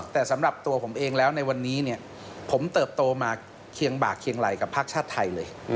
แต่สำหรับตัวผมเองแล้วในวันนี้ผมเติบโตมาเคียงบากเคียงไหล่กับภาคชาติไทยเลย